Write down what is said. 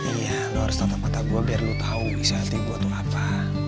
iya lu harus tetap mata gue biar lu tau isi hati gue tuh apa